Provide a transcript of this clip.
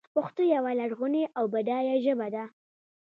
پښتو یوه لرغونې او بډایه ژبه ده.